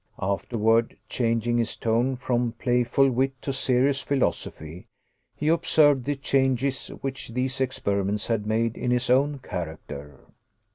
Afterward, changing his tone from playful wit to serious philosophy, he observed the changes which these experiments had made in his own character.